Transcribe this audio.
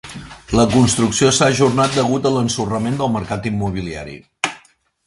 La construcció s'ha ajornat degut a l'ensorrament del mercat immobiliari.